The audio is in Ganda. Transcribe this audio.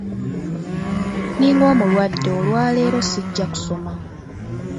Ninga omulwadde olwaleero sijja kusoma.